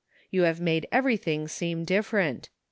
You have made everything seem different.